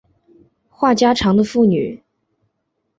话家常的妇女